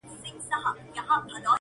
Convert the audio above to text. یو که بل وي نو څلور یې پښتانه وي،